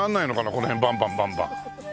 この辺バンバンバンバン。